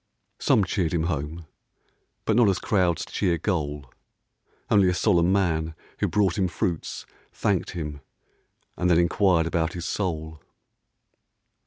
Some cheered him home, but not as crowds cheer Goal. Only a solemn man who brought him fruits Thanked him ; and then enquired about his soul.